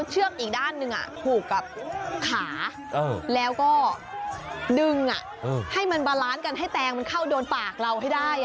เชือกอีกด้านหนึ่งผูกกับขาแล้วก็ดึงให้มันบาลานซ์กันให้แตงมันเข้าโดนปากเราให้ได้